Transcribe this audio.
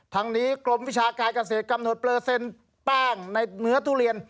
ทั้งนี้กรมวิชาการเกษตรกำหนดเปอร์เซ็นต์แป้งในเนื้อทุเรียน